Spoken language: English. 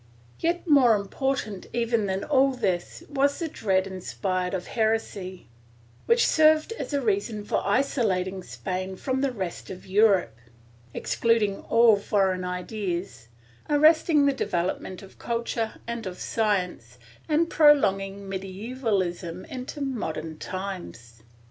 Yet more important even than all this was the dread inspired of heresy, which served as a reason for isolating Spain from the rest of Europe, excluding all foreign ideas, arrest ing the development of culture and of science, and prolonging medievalism into modern times.